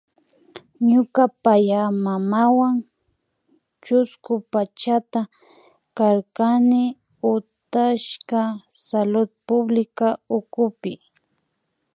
Ñuka payaymamawan chusku pachata karkani utkashka Salud Pública ukupi